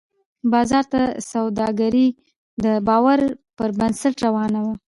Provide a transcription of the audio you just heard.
بازار کې سوداګري د باور پر بنسټ روانه وي